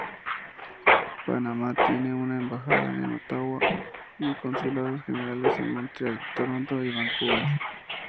Panamá tiene una embajada en Ottawa y consulados generales en Montreal, Toronto y Vancouver.